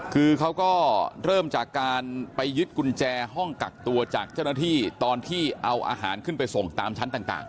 คือเขาก็เริ่มจากการไปยึดกุญแจห้องกักตัวจากเจ้าหน้าที่ตอนที่เอาอาหารขึ้นไปส่งตามชั้นต่าง